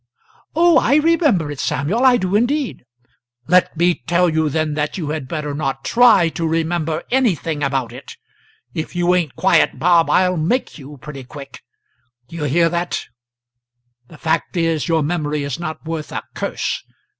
"Oh, I remember it, Samuel; I do indeed!" "Let me tell you then that you had better not try to remember anything about it. If you ain't quiet, Bob, I'll make you, pretty quick; d'ye hear that? The fact is, your memory is not worth a curse.